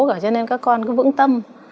cho nên các con cứ vững tâm